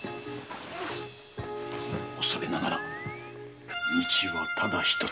おそれながら道はただひとつ。